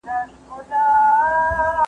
هیوادونه ارزښتونه شاملوي.